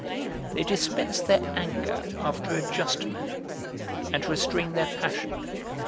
They dispense their anger after a just manner, and restrain their passion.